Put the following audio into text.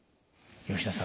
吉野さん